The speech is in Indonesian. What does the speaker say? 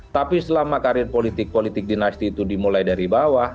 tapi selama karir politik politik dinasti itu dimulai dari bawah